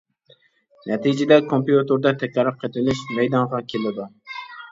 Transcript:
نەتىجىدە كومپيۇتېردا تەكرار قېتىۋېلىش مەيدانغا كېلىدۇ.